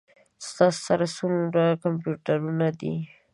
ستاسو سره څومره کمپیوټرونه دي؟